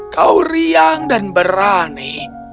kau riang dan berani